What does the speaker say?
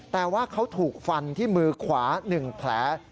แต่ว่าเขาถูกฟันที่มือขวา๑แผล